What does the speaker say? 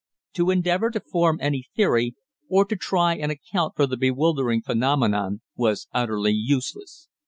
To endeavour to form any theory, or to try and account for the bewildering phenomenon, was utterly useless.